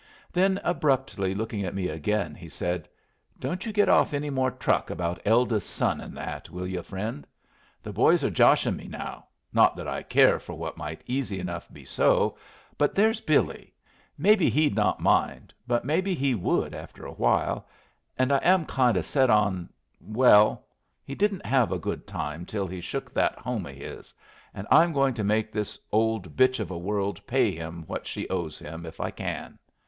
Then abruptly looking at me again, he said: "Don't you get off any more truck about eldest son and that, will yu', friend? The boys are joshing me now not that I care for what might easy enough be so, but there's Billy. Maybe he'd not mind, but maybe he would after a while; and I am kind o' set on well he didn't have a good time till he shook that home of his, and I'm going to make this old bitch of a world pay him what she owes him, if I can.